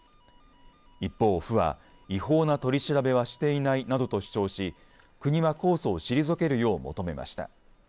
一方で府は違法な取り調べはしていないなどとし国は控訴をしりぞけるよう求めました。